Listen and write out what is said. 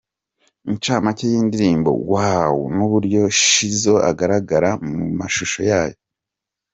Incamake y'indirimbo 'Wow' n'uburyo Shizzo agaragara mu mashusho yayo.